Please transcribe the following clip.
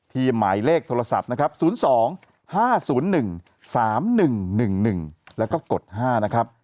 หมายเลขโทรศัพท์นะครับ๐๒๕๐๑๓๑๑๑แล้วก็กฎ๕นะครับ